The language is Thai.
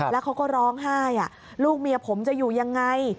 แล้วเขาก็ร้องไห้ลูกเมียผมจะอยู่ยังไง